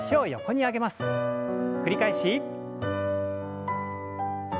繰り返し。